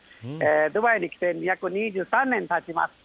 ドバイに来て約２３年たちます。